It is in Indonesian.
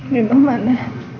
di rumah ya